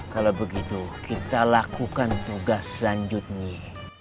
kalau begitu kita lakukan tugas selanjutnya